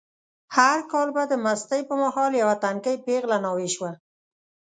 هر کال به د مستۍ په مهال یوه تنکۍ پېغله ناوې شوه.